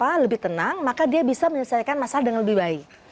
dan jika dia lebih tenang maka dia bisa menyelesaikan masalah dengan lebih baik